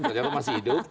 ternyata masih hidup